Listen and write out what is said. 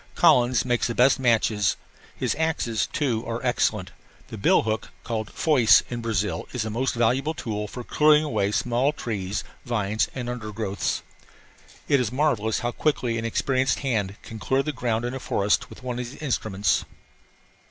Collins makes the best machetes. His axes, too, are excellent. The bill hook, called foice in Brazil, is a most valuable tool for clearing away small trees, vines, and under growths. It is marvellous how quickly an experienced hand can clear the ground in a forest with one of these instruments.